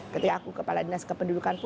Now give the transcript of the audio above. ketika aku kepala dinas kependudukan pun